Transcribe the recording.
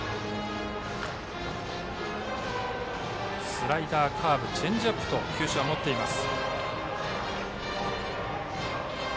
スライダー、カーブチェンジアップと球種は持っています。